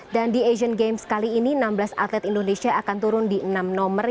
dan di asian games kali ini enam belas atlet indonesia akan turun di enam nomor